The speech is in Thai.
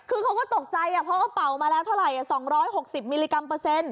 คือเขาก็ตกใจเพราะเขาเป่ามาแล้วเท่าไหร่๒๖๐มิลลิกรัมเปอร์เซ็นต์